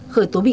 khởi tố bị cán